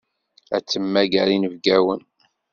Ad temmager inebgawen.